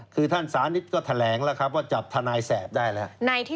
คือท่านสานิทก็แถลงแล้วครับว่าจับทนายแสบได้แล้ว